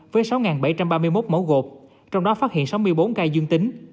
với sáu bảy trăm ba mươi một mẫu gộp trong đó phát hiện sáu mươi bốn ca dương tính